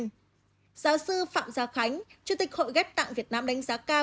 giáo sư phạm gia khánh chủ tịch hội kết tặng việt nam đánh giá cao